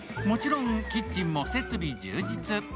もちろんキッチンも設備充実。